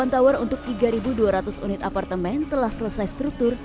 delapan tower untuk tiga dua ratus unit apartemen telah selesai struktur